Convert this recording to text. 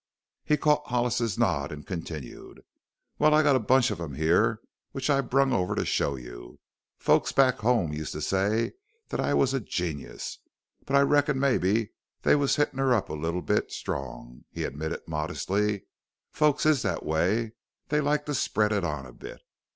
He caught Hollis's nod and continued: "Well, I got a bunch of 'em here which I brung over to show you. Folks back home used to say that I was a genyus. But I reckon mebbe they was hittin' her up a little bit strong," he admitted, modestly; "folks is that way they like to spread it on a bit.